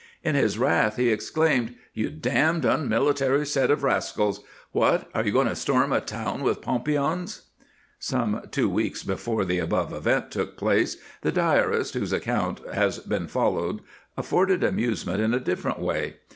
In his wrath he exclaimed :" You damned unmilitary set of rascals I What, are you going to storm a town with pompions ?" Some two weeks before the above event took place, the diarist whose account has been followed afforded amusement in a different way.